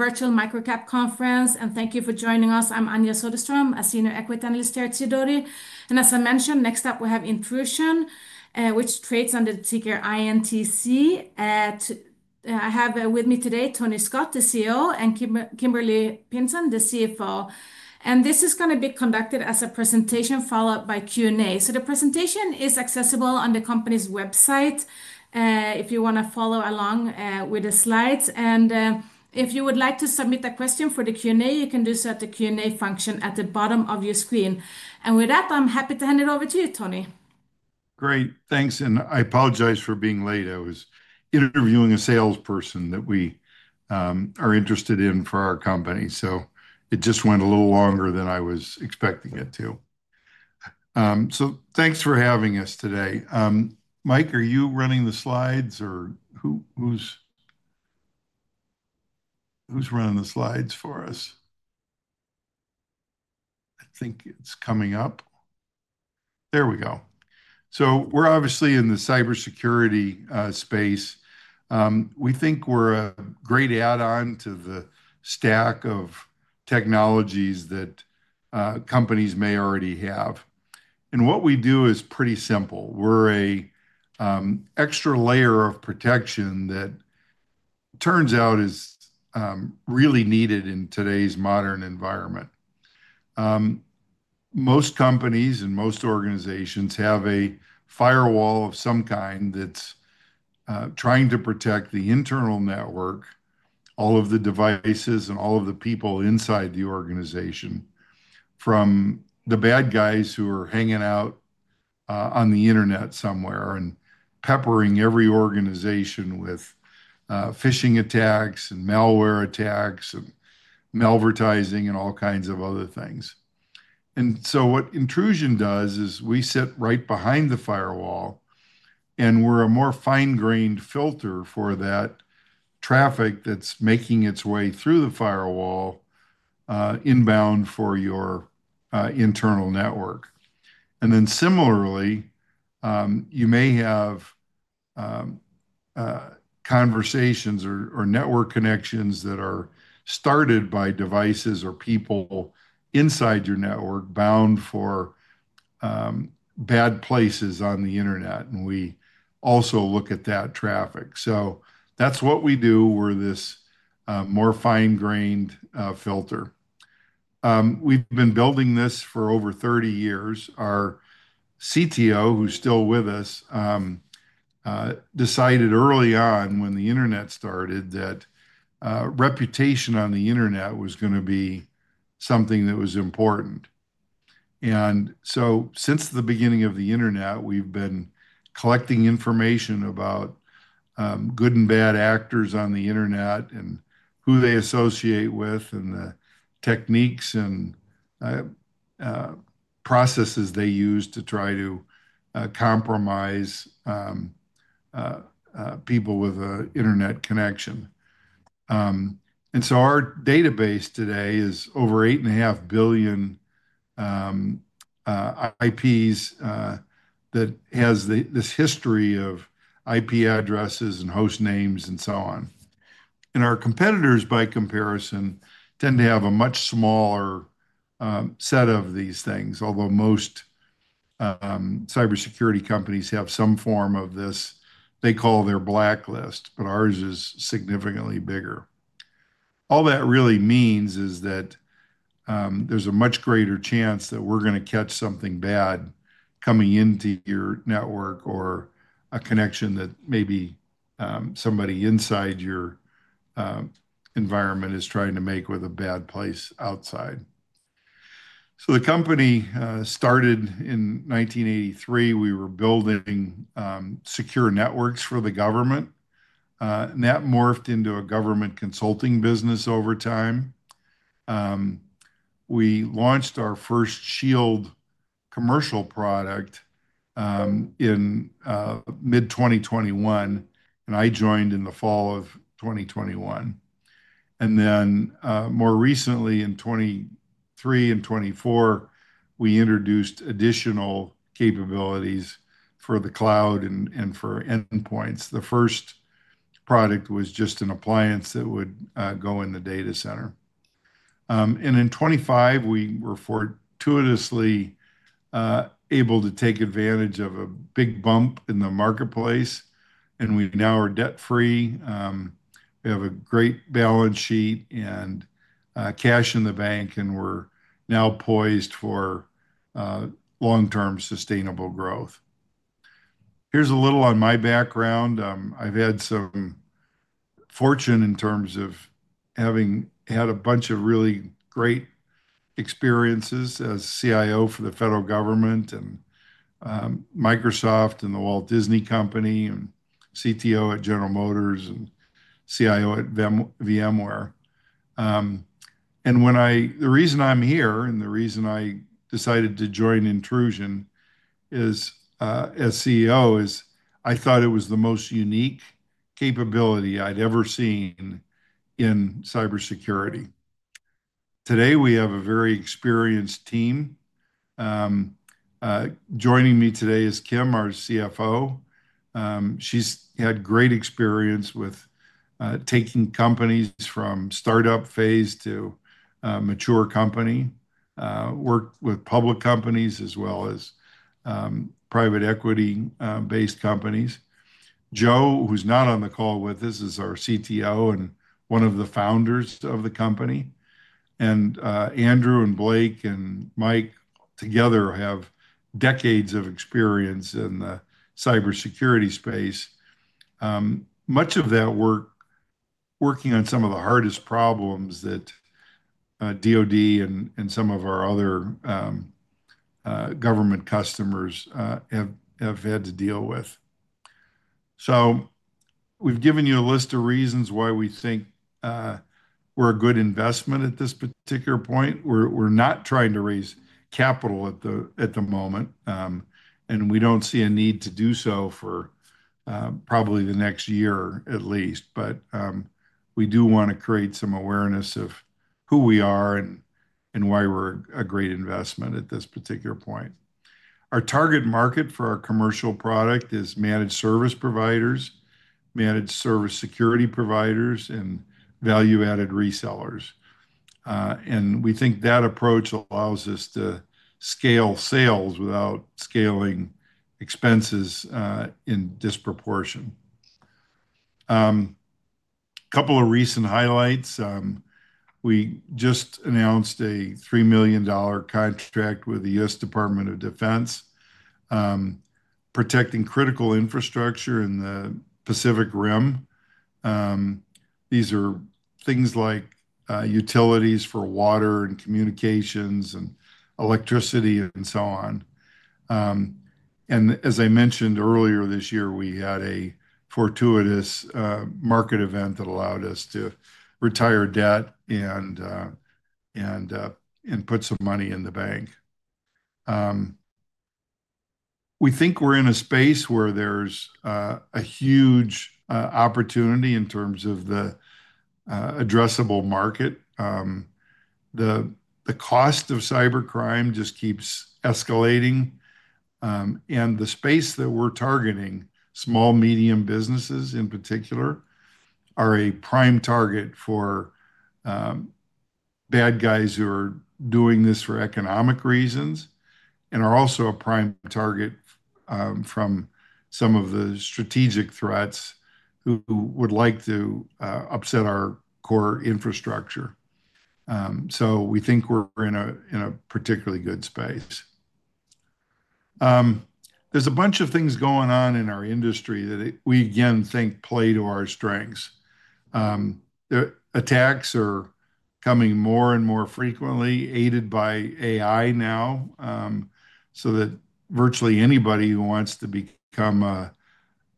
Virtual MicroCap Conference, and thank you for joining us. I'm Anja Soderstrom, a Senior Equity Analyst here at Sidoti. As I mentioned, next up we have Intrusion Inc., which trades under the ticker INTC. I have with me today Tony Scott, the CEO, and Kimberly Pinson, the CFO. This is going to be conducted as a presentation followed by Q&A. The presentation is accessible on the company's website if you want to follow along with the slides. If you would like to submit a question for the Q&A, you can do so at the Q&A function at the bottom of your screen. With that, I'm happy to hand it over to you, Tony. Great, thanks. I apologize for being late. I was interviewing a salesperson that we are interested in for our company. It just went a little longer than I was expecting it to, so thanks for having us today. Mike, are you running the slides or who's running the slides for us? I think it's coming up. There we go. We're obviously in the cybersecurity space. We think we're a great add-on to the stack of technologies that companies may already have. What we do is pretty simple. We're an extra layer of protection that turns out is really needed in today's modern environment. Most companies and most organizations have a firewall of some kind that's trying to protect the internal network, all of the devices, and all of the people inside the organization from the bad guys who are hanging out on the internet somewhere and peppering every organization with phishing attacks and malware attacks and malvertising and all kinds of other things. What Intrusion does is we sit right behind the firewall, and we're a more fine-grained filter for that traffic that's making its way through the firewall, inbound for your internal network. Similarly, you may have conversations or network connections that are started by devices or people inside your network bound for bad places on the internet. We also look at that traffic. That's what we do. We're this more fine-grained filter. We've been building this for over 30 years. Our CTO, who's still with us, decided early on when the internet started that reputation on the internet was going to be something that was important. Since the beginning of the internet, we've been collecting information about good and bad actors on the internet and who they associate with and the techniques and processes they use to try to compromise people with an internet connection. Our database today is over 8.5 billion IPs that has this history of IP addresses and host names and so on. Our competitors, by comparison, tend to have a much smaller set of these things, although most cybersecurity companies have some form of this. They call their blacklist, but ours is significantly bigger. All that really means is that there's a much greater chance that we're going to catch something bad coming into your network or a connection that maybe somebody inside your environment is trying to make with a bad place outside. The company started in 1983. We were building secure networks for the government, and that morphed into a government consulting business over time. We launched our first Shield commercial product in mid-2021, and I joined in the fall of 2021. More recently, in 2023 and 2024, we introduced additional capabilities for the cloud and for endpoints. The first product was just an appliance that would go in the data center. In 2025, we were fortuitously able to take advantage of a big bump in the marketplace, and we now are debt-free. We have a great balance sheet and cash in the bank, and we're now poised for long-term sustainable growth. Here's a little on my background. I've had some fortune in terms of having had a bunch of really great experiences as CIO for the federal government, Microsoft, and the Walt Disney Company, and CTO at General Motors and CIO at VMware. The reason I'm here and the reason I decided to join Intrusion is, as CEO, I thought it was the most unique capability I'd ever seen in cybersecurity. Today, we have a very experienced team. Joining me today is Kim, our CFO. She's had great experience with taking companies from startup phase to a mature company, worked with public companies as well as private equity-based companies. Joe, who's not on the call with us, is our CTO and one of the founders of the company. Andrew, Blake, and Mike together have decades of experience in the cybersecurity space, much of that work working on some of the hardest problems that the U.S. Department of Defense and some of our other government customers have had to deal with. We've given you a list of reasons why we think we're a good investment at this particular point. We're not trying to raise capital at the moment, and we don't see a need to do so for probably the next year at least. We do want to create some awareness of who we are and why we're a great investment at this particular point. Our target market for our commercial product is managed service providers, managed service security providers, and value-added resellers. We think that approach allows us to scale sales without scaling expenses in disproportion. A couple of recent highlights: we just announced a $3 million contract with the U.S. Department of Defense, protecting critical infrastructure in the Pacific Rim. These are things like utilities for water and communications and electricity and so on. As I mentioned earlier this year, we had a fortuitous market event that allowed us to retire debt and put some money in the bank. We think we're in a space where there's a huge opportunity in terms of the addressable market. The cost of cybercrime just keeps escalating, and the space that we're targeting, small and medium businesses in particular, are a prime target for bad guys who are doing this for economic reasons and are also a prime target from some of the strategic threats who would like to upset our core infrastructure. We think we're in a particularly good space. There are a bunch of things going on in our industry that we think play to our strengths. The attacks are coming more and more frequently, aided by AI now, so that virtually anybody who wants to become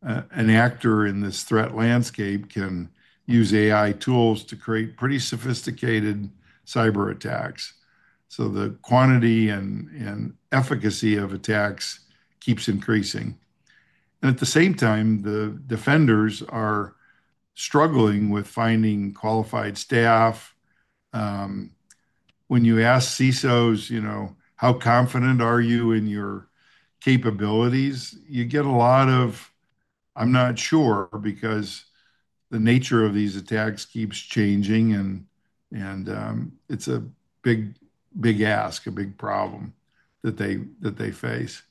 an actor in this threat landscape can use AI tools to create pretty sophisticated cyber attacks. The quantity and efficacy of attacks keeps increasing. At the same time, the defenders are struggling with finding qualified staff. When you ask CISOs, you know, how confident are you in your capabilities, you get a lot of, "I'm not sure," because the nature of these attacks keeps changing. It's a big, big ask, a big problem that they face.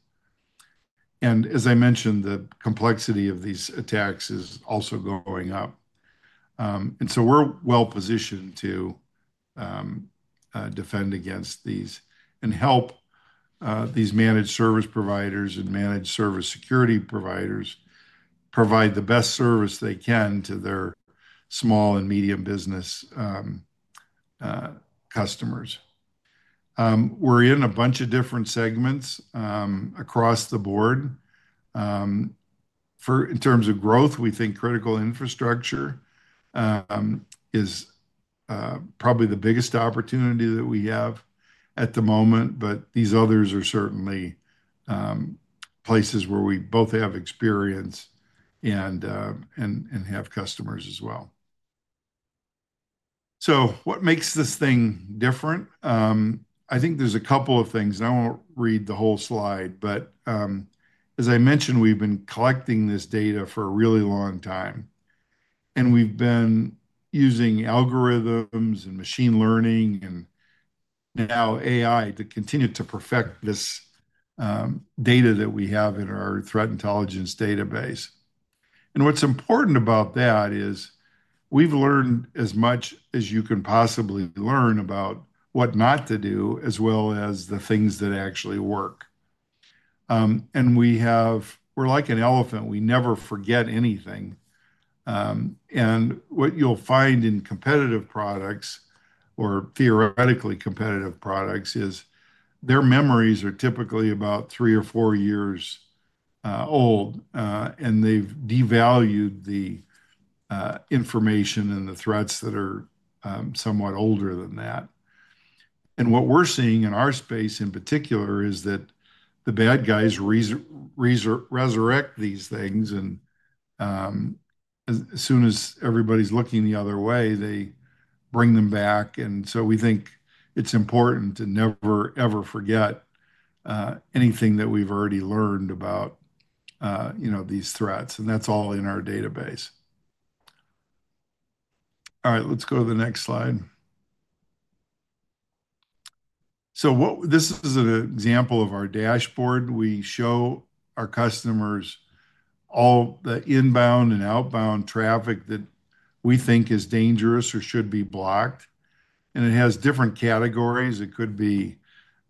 As I mentioned, the complexity of these attacks is also going up. We are well positioned to defend against these and help these managed service providers and managed service security providers provide the best service they can to their small and medium business customers. We're in a bunch of different segments across the board. In terms of growth, we think critical infrastructure is probably the biggest opportunity that we have at the moment. These others are certainly places where we both have experience and have customers as well. What makes this thing different? I think there's a couple of things. I won't read the whole slide, but as I mentioned, we've been collecting this data for a really long time. We've been using algorithms and machine learning and now AI to continue to perfect this data that we have in our threat intelligence database. What's important about that is we've learned as much as you can possibly learn about what not to do, as well as the things that actually work. We are like an elephant. We never forget anything. What you'll find in competitive products or theoretically competitive products is their memories are typically about three or four years old, and they've devalued the information and the threats that are somewhat older than that. What we're seeing in our space in particular is that the bad guys resurrect these things, and as soon as everybody's looking the other way, they bring them back. We think it's important to never, ever forget anything that we've already learned about these threats. That's all in our database. Let's go to the next slide. This is an example of our dashboard. We show our customers all the inbound and outbound traffic that we think is dangerous or should be blocked. It has different categories. It could be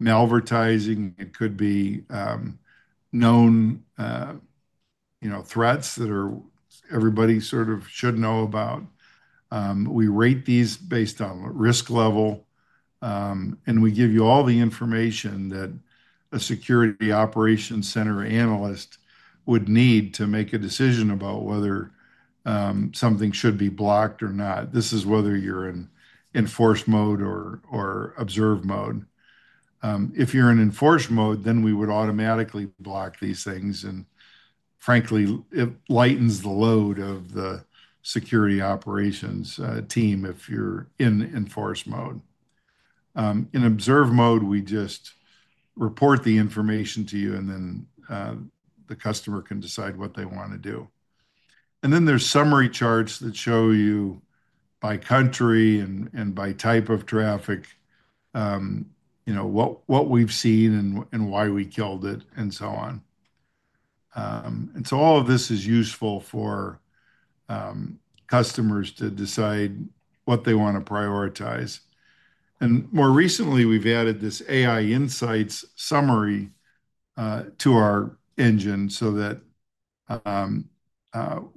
malvertising. It could be known threats that everybody sort of should know about. We rate these based on risk level, and we give you all the information that a security operations center analyst would need to make a decision about whether something should be blocked or not. This is whether you're in enforce mode or observe mode. If you're in enforce mode, then we would automatically block these things. Frankly, it lightens the load of the security operations team if you're in enforce mode. In observe mode, we just report the information to you, and then the customer can decide what they want to do. There are summary charts that show you by country and by type of traffic what we've seen and why we killed it and so on. All of this is useful for customers to decide what they want to prioritize. More recently, we've added this AI insights summary to our engine so that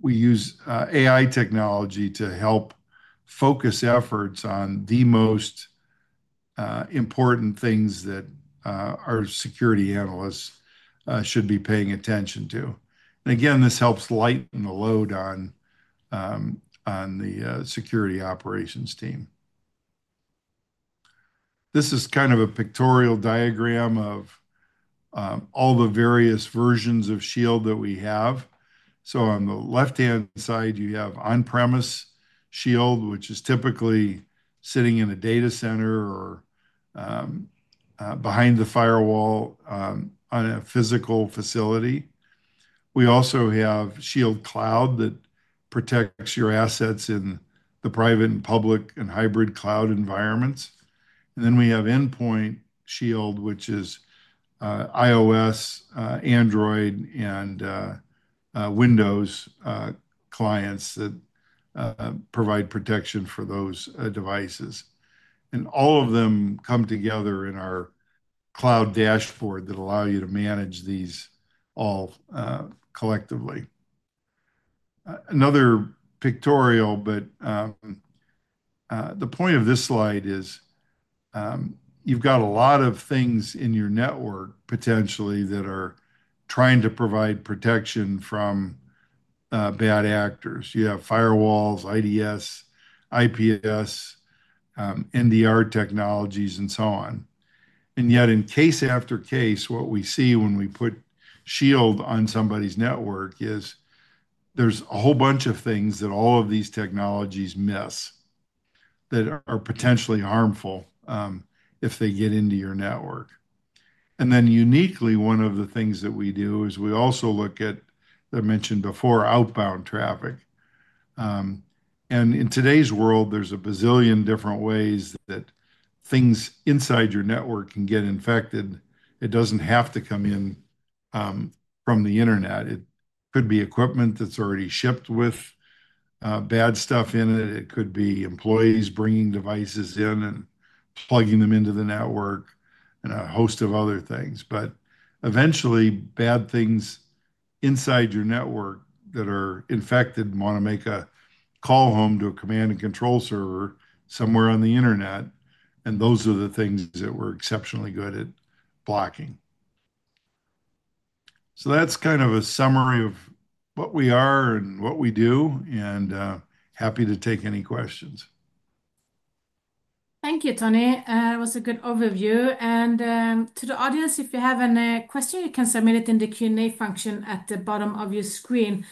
we use AI technology to help focus efforts on the most important things that our security analysts should be paying attention to. Again, this helps lighten the load on the security operations team. This is a pictorial diagram of all the various versions of Shield that we have. On the left-hand side, you have on-premise Shield, which is typically sitting in a data center or behind the firewall on a physical facility. We also have Shield Cloud that protects your assets in the private, public, and hybrid cloud environments. Then we have Endpoint Shield, which is iOS, Android, and Windows clients that provide protection for those devices. All of them come together in our cloud dashboard that allow you to manage these all, collectively. Another pictorial, but the point of this slide is, you've got a lot of things in your network potentially that are trying to provide protection from bad actors. You have firewalls, IDS, IPS, NDR technologies, and so on. Yet, in case after case, what we see when we put Shield on somebody's network is there's a whole bunch of things that all of these technologies miss that are potentially harmful if they get into your network. Uniquely, one of the things that we do is we also look at, as I mentioned before, outbound traffic. In today's world, there's a bazillion different ways that things inside your network can get infected. It doesn't have to come in from the internet. It could be equipment that's already shipped with bad stuff in it. It could be employees bringing devices in and plugging them into the network and a host of other things. Eventually, bad things inside your network that are infected and want to make a call home to a command and control server somewhere on the internet, and those are the things that we're exceptionally good at blocking. That's kind of a summary of what we are and what we do, and happy to take any questions. Thank you, Tony. That was a good overview. To the audience, if you have any questions, you can submit it in the Q&A function at the bottom of your screen.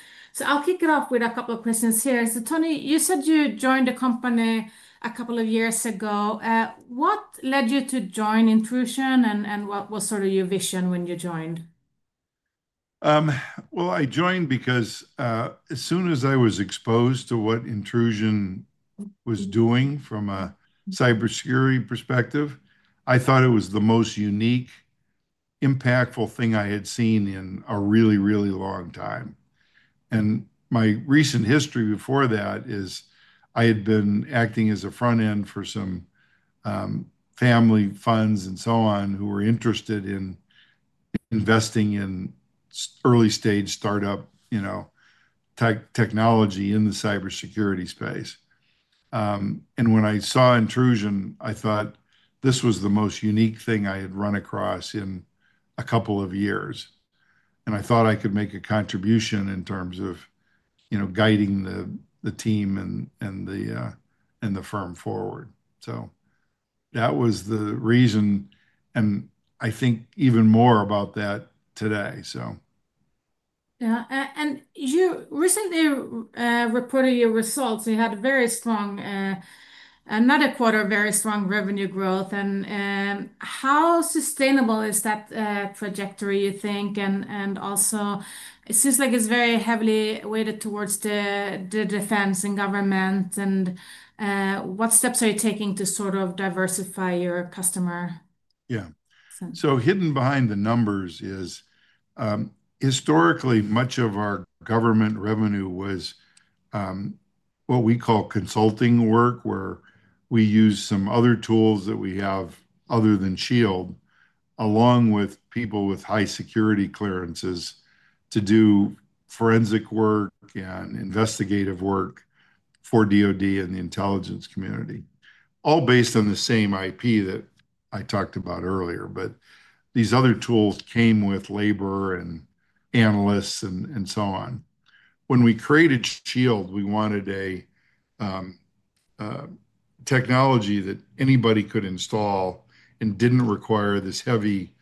I'll kick it off with a couple of questions here. Tony, you said you joined the company a couple of years ago. What led you to join Intrusion and what was sort of your vision when you joined? I joined because, as soon as I was exposed to what Intrusion was doing from a cybersecurity perspective, I thought it was the most unique, impactful thing I had seen in a really, really long time. My recent history before that is I had been acting as a front end for some family funds and so on who were interested in investing in early-stage startup technology in the cybersecurity space. When I saw Intrusion, I thought this was the most unique thing I had run across in a couple of years. I thought I could make a contribution in terms of guiding the team and the firm forward. That was the reason, and I think even more about that today. Yeah. You recently reported your results. You had a very strong, another quarter, very strong revenue growth. How sustainable is that trajectory, you think? It seems like it's very heavily weighted towards the defense and government. What steps are you taking to sort of diversify your customer? Yeah. Hidden behind the numbers is, historically, much of our government revenue was what we call consulting work, where we use some other tools that we have other than Shield, along with people with high security clearances to do forensic work and investigative work for the DOD and the intelligence community, all based on the same IP that I talked about earlier. These other tools came with labor and analysts and so on. When we created Shield, we wanted a technology that anybody could install and didn't require this heavy,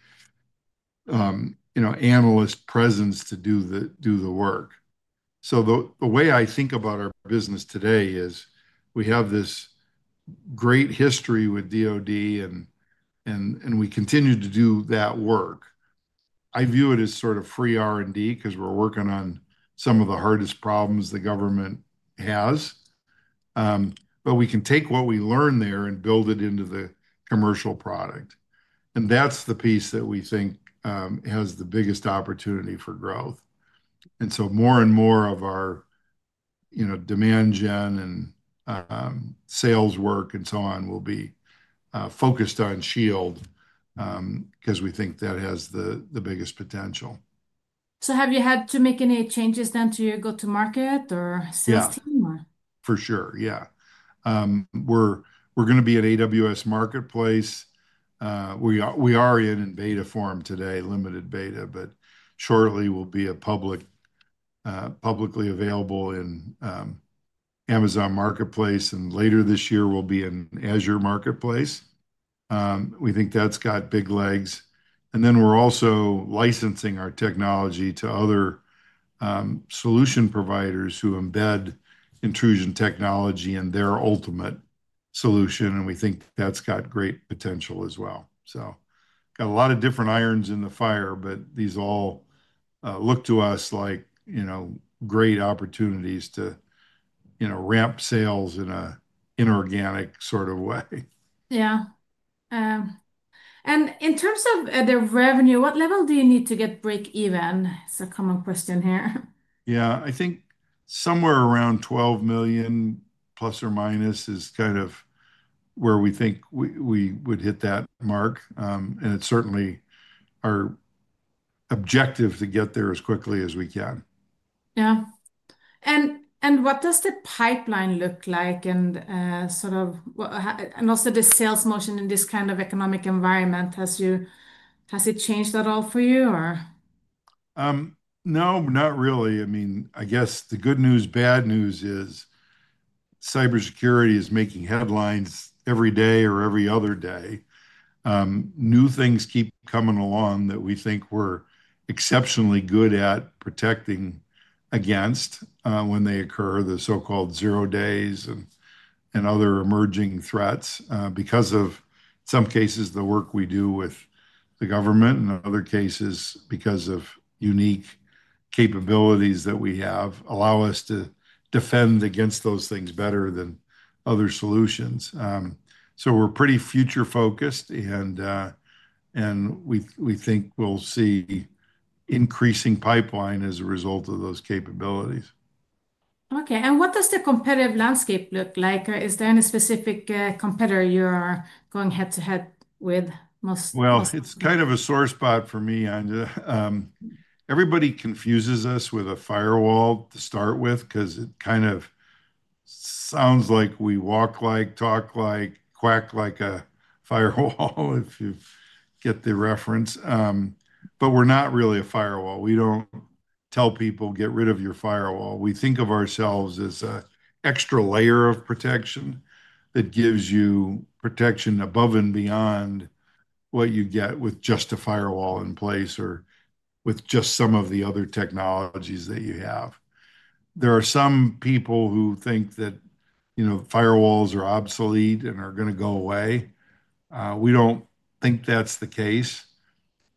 you know, analyst presence to do the work. The way I think about our business today is we have this great history with the DOD, and we continue to do that work. I view it as sort of free R&D because we're working on some of the hardest problems the government has. We can take what we learn there and build it into the commercial product. That's the piece that we think has the biggest opportunity for growth. More and more of our, you know, demand gen and sales work and so on will be focused on Shield, because we think that has the biggest potential. Have you had to make any changes then to your go-to-market or sales team? Yeah, for sure. We're going to be at AWS Marketplace. We are in beta form today, limited beta, but shortly we'll be publicly available in Amazon Marketplace. Later this year, we'll be in Azure Marketplace. We think that's got big legs. We're also licensing our technology to other solution providers who embed Intrusion technology in their ultimate solution. We think that's got great potential as well. We've got a lot of different irons in the fire, but these all look to us like great opportunities to ramp sales in an inorganic sort of way. Yeah, in terms of the revenue, what level do you need to get break-even? It's a common question here. Yeah, I think somewhere around ±$12 million, is kind of where we think we would hit that mark. It's certainly our objective to get there as quickly as we can. What does the pipeline look like, and also the sales motion in this kind of economic environment? Has it changed at all for you? No, not really. I mean, I guess the good news, bad news is cybersecurity is making headlines every day or every other day. New things keep coming along that we think we're exceptionally good at protecting against when they occur, the so-called zero days and other emerging threats, because of, in some cases, the work we do with the government and in other cases, because of unique capabilities that we have, allow us to defend against those things better than other solutions. We're pretty future-focused, and we think we'll see an increasing pipeline as a result of those capabilities. What does the competitive landscape look like? Is there any specific competitor you are going head-to-head with most? It's kind of a sore spot for me, Anja. Everybody confuses us with a firewall to start with because it kind of sounds like we walk like, talk like, quack like a firewall, if you get the reference, but we're not really a firewall. We don't tell people, "Get rid of your firewall." We think of ourselves as an extra layer of protection that gives you protection above and beyond what you get with just a firewall in place or with just some of the other technologies that you have. There are some people who think that, you know, firewalls are obsolete and are going to go away. We don't think that's the case,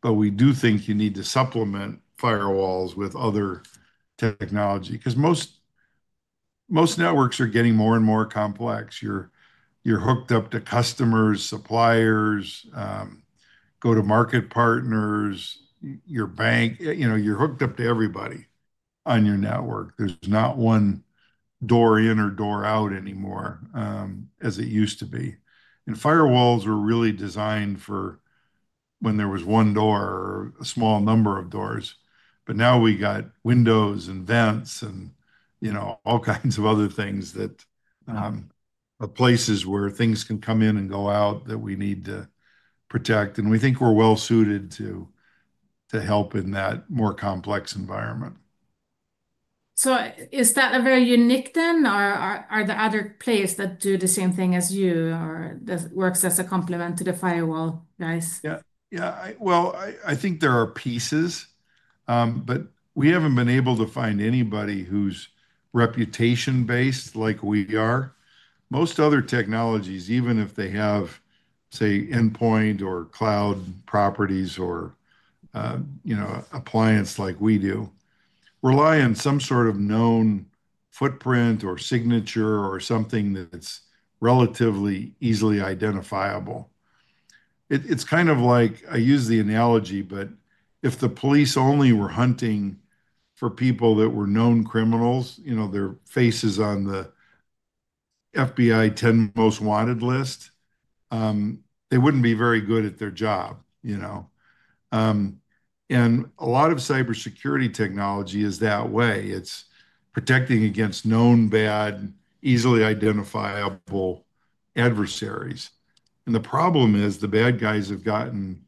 but we do think you need to supplement firewalls with other technology because most networks are getting more and more complex. You're hooked up to customers, suppliers, go-to-market partners, your bank, you know, you're hooked up to everybody on your network. There's not one door in or door out anymore, as it used to be. Firewalls were really designed for when there was one door or a small number of doors. Now we got windows and vents and, you know, all kinds of other things that are places where things can come in and go out that we need to protect. We think we're well suited to help in that more complex environment. Is that a very unique thing? Are there other players that do the same thing as you or that work as a complement to the firewall guys? Yeah, I think there are pieces, but we haven't been able to find anybody whose reputation-based like we are. Most other technologies, even if they have, say, endpoint or cloud properties or, you know, appliance like we do, rely on some sort of known footprint or signature or something that's relatively easily identifiable. It's kind of like I use the analogy, if the police only were hunting for people that were known criminals, you know, their faces on the FBI 10 Most Wanted List, they wouldn't be very good at their job, you know. A lot of cybersecurity technology is that way. It's protecting against known bad, easily identifiable adversaries. The problem is the bad guys have gotten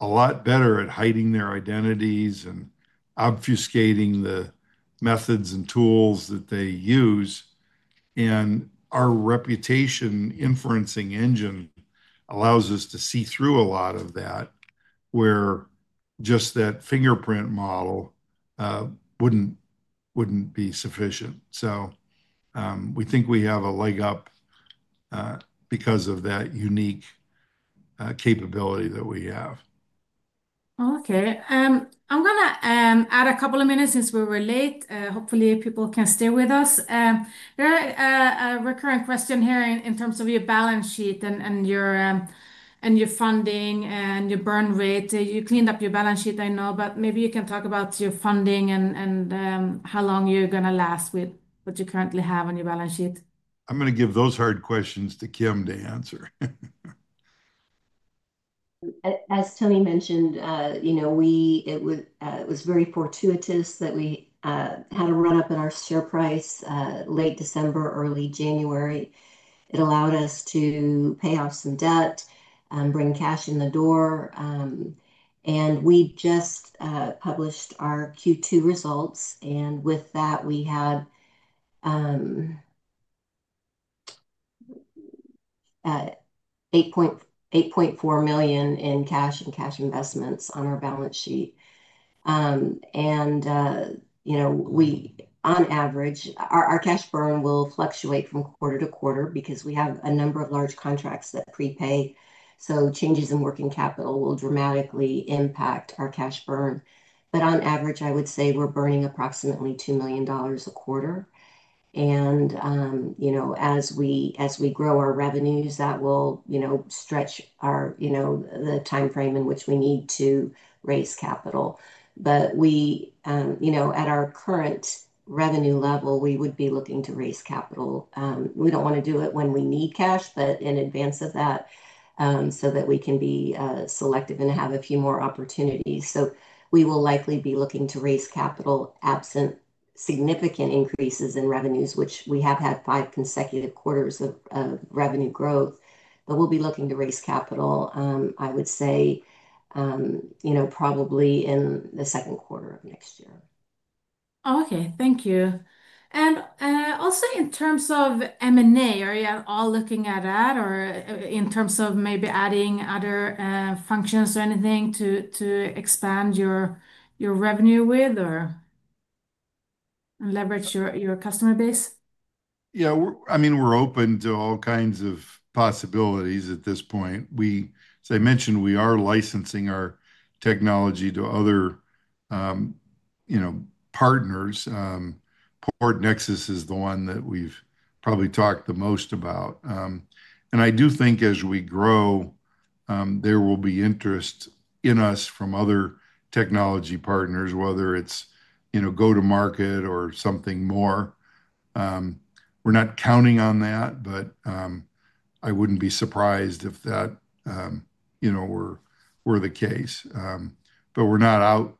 a lot better at hiding their identities and obfuscating the methods and tools that they use. Our reputation inferencing engine allows us to see through a lot of that where just that fingerprint model wouldn't be sufficient. We think we have a leg up because of that unique capability that we have. Okay. I'm going to add a couple of minutes since we were late. Hopefully, people can stay with us. There's a recurring question here in terms of your balance sheet, your funding, and your burn rate. You cleaned up your balance sheet, I know, but maybe you can talk about your funding and how long you're going to last with what you currently have on your balance sheet. I'm going to give those hard questions to Kim to answer. As Tony mentioned, it was very fortuitous that we had a run-up in our share price late December, early January. It allowed us to pay off some debt and bring cash in the door. We just published our Q2 results, and with that, we had $8.4 million in cash and cash investments on our balance sheet. On average, our cash burn will fluctuate from quarter-to-quarter because we have a number of large contracts that prepay. Changes in working capital will dramatically impact our cash burn. On average, I would say we're burning approximately $2 million a quarter. As we grow our revenues, that will stretch the timeframe in which we need to raise capital. At our current revenue level, we would be looking to raise capital. We don't want to do it when we need cash, but in advance of that, so that we can be selective and have a few more opportunities. We will likely be looking to raise capital absent significant increases in revenues, which we have had five consecutive quarters of revenue growth. We'll be looking to raise capital, I would say, probably in the second quarter of next year. Oh, okay. Thank you. In terms of M&A, are you all looking at that or in terms of maybe adding other functions or anything to expand your revenue with or leverage your customer base? Yeah, I mean, we're open to all kinds of possibilities at this point. As I mentioned, we are licensing our technology to other partners. PortNexus is the one that we've probably talked the most about. I do think as we grow, there will be interest in us from other technology partners, whether it's go-to-market or something more. We're not counting on that, but I wouldn't be surprised if that were the case. We're not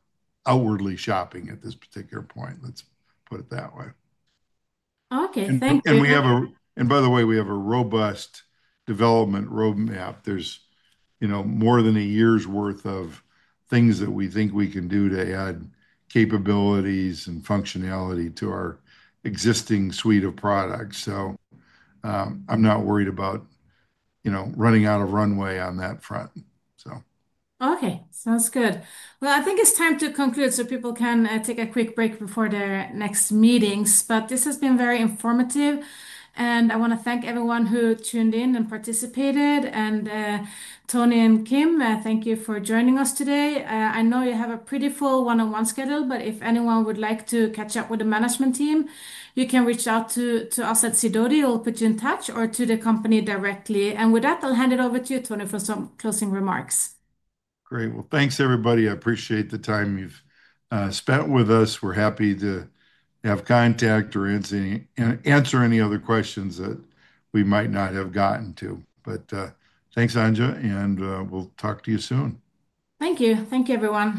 outwardly shopping at this particular point. Let's put it that way. Okay, thank you. And by the way, we have a robust development roadmap. There's more than a year's worth of things that we think we can do to add capabilities and functionality to our existing suite of products. I'm not worried about running out of runway on that front. Okay. Sounds good. I think it's time to conclude so people can take a quick break before their next meetings. This has been very informative. I want to thank everyone who tuned in and participated. Tony and Kim, thank you for joining us today. I know you have a pretty full one-on-one schedule. If anyone would like to catch up with the management team, you can reach out to us at Sidoti. We'll put you in touch or to the company directly. With that, I'll hand it over to you, Tony, for some closing remarks. Great. Thanks, everybody. I appreciate the time you've spent with us. We're happy to have contact or answer any other questions that we might not have gotten to. Thanks, Anja, and we'll talk to you soon. Thank you. Thank you, everyone.